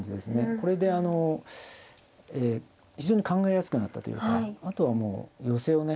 これで非常に考えやすくなったというかあとはもう寄せをね